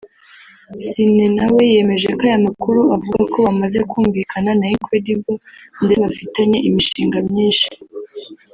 Ciney nawe yemeje aya makuru avuga ko bamaze kumvikana na Incredible ndetse bafitanye imishinga myinshi